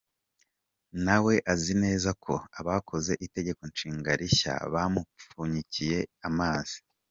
Nawe azi neza ko abakoze Itegeko Nshinga rishya bamupfunyikiye amazi.